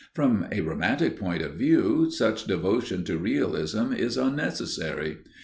From a romantic point of view, such devotion to realism is unnecessary.